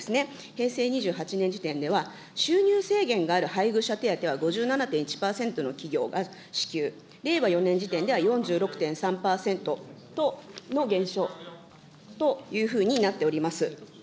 平成２８年時点では収入制限がある配偶者手当は５７．１％の企業が支給、令和４年時点では４６．３％の減少というふうになっております。